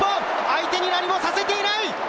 相手に何もさせていない！